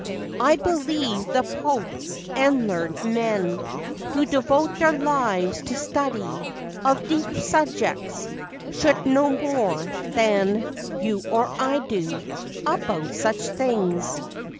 I believe the Pope, and learned men Who devote their lives to study Of deep subjects, should know more than You or I do, about such things.